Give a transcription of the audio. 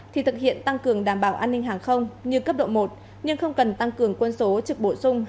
thì thực hiện tăng cường đảm bảo an ninh hàng không như cấp độ một nhưng không cần tăng cường quân số trực bổ sung